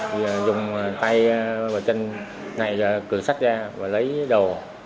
tôi dùng tay và chân này cửa sắt ra và lấy đồ